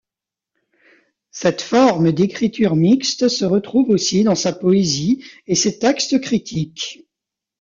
Cette forme d'écriture mixte se retrouve aussi dans sa poésie et ses textes critiques.